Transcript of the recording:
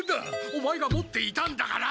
オマエが持っていたんだから！